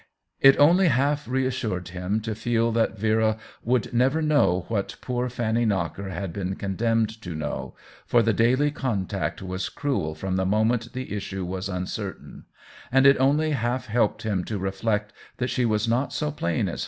It only half reassured him to feel that Vera would never know what poor Fanny Knocker had been condemned to know, for the daily contact was cruel from the mo ment the issue was uncertain ; and it only half helped him to reflect that she was not so plain as